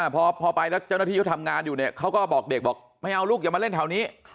พอไปแล้วเจ้าหน้าที่เขาทำงานอยู่เนี่ยเขาก็บอกเด็กบอกไม่เอาลูกอย่ามาเล่นแถวนี้